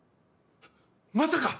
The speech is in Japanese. まさか！